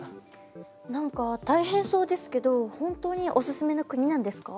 なんか大変そうですけど本当におすすめの国なんですか？